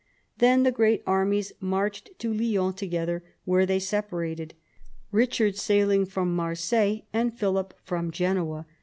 Then the great armies marched to Lyons together, where they separated, Eichard sailing from Marseilles, and Philip from Genoa.